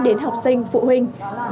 đến học sinh phụ huynh đồng chí